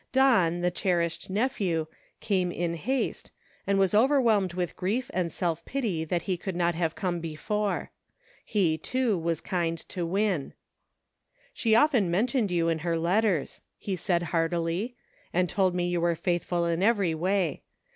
Don, the cherished nephew, came in haste, and was overwhelmed with grief and self pity that he could not have come before. He, too, was kind to Win. " She often mentioned you in her letters," he said heartily, "and told me you were faithful in every way.